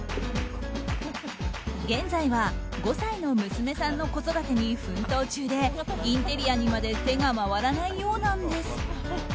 現在は５歳の娘さんの子育てに奮闘中でインテリアにまで手が回らないようなんです。